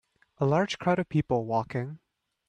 A large crowd of people walking.